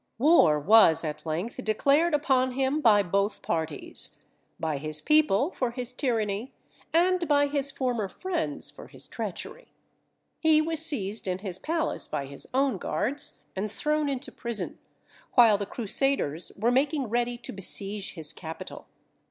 War was at length declared upon him by both parties; by his people for his tyranny, and by his former friends for his treachery. He was seized in his palace by his own guards and thrown into prison, while the Crusaders were making ready to besiege his capital.